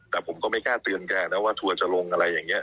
แต่ผมก็ไม่กล้าเตือนแกนะว่าทัวร์จะลงอะไรอย่างนี้